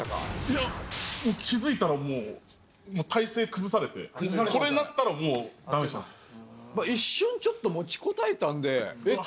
いや気づいたらもう体勢崩されてこれになったらもうダメでしたね一瞬ちょっと持ちこたえたんでえっ